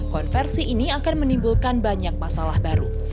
konversi ini akan menimbulkan banyak masalah baru